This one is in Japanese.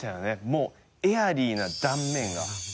もうエアリーな断面が。